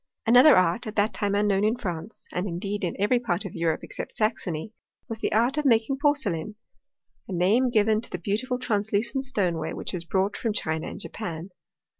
Another art, at that time unknown in France, and indeed in every part of Europe except Saxony, was the art of making porcelain, a name given to the l)eautiful translucent stoneware which is brought from China and Japan.